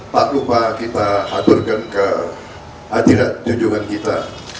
tak lupa kita aturkan ke adinjungan kita